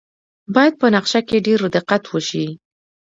باید په نقشه کې ډیر دقت وشي